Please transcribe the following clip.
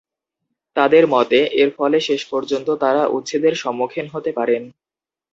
তাঁদের মতে, এর ফলে শেষ পর্যন্ত তাঁরা উচ্ছেদের সম্মুখীন হতে পারেন।